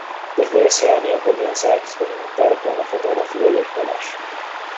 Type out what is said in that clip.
Desde ese año, comienza a experimentar con la fotografía y el collage.